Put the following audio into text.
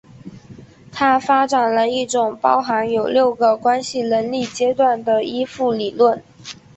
他发展了一种包含有六个关系能力阶段的依附理论。